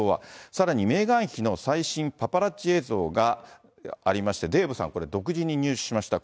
さらにメーガン妃の最新パパラッチ映像がありまして、デーブさん、これ、独自に入手しました。